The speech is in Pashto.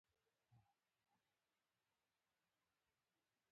خپل ځان ته د احترام د وژلو پیل دی.